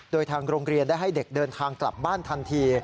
โดยทางโรงเรียนได้ให้เด็กเดินทางกลับบ้านทันที